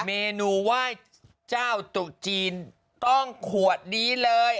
เมนูไหว้เจ้าตุจีนต้องขวดนี้เลย